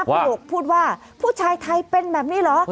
คุณหกพูดว่าผู้ชายไทยเป็นแบบนี้เหรอ